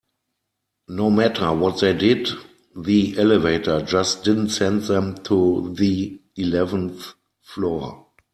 No matter what they did, the elevator just didn't send them to the eleventh floor.